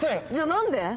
じゃあ何で？